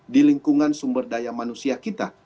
di lingkungan sumber daya manusia kita